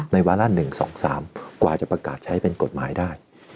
วาระ๑๒๓กว่าจะประกาศใช้เป็นกฎหมายได้